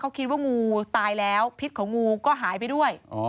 เขาคิดว่างูตายแล้วพิษของงูก็หายไปด้วย